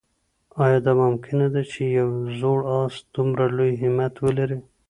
آیا دا ممکنه ده چې یو زوړ آس دومره لوی همت ولري؟